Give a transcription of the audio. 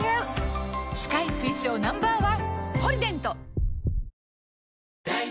歯科医推奨 Ｎｏ．１！